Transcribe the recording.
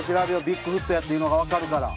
ビッグフットやというのが分かるから。